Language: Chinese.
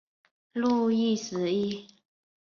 路易十一。